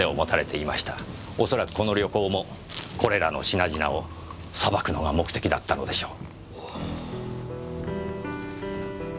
おそらくこの旅行もこれらの品々をさばくのが目的だったのでしょう。